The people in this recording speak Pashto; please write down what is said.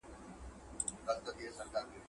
ایا تولستوی خپل ژوند تر پایه په روسیه کې تېر کړ؟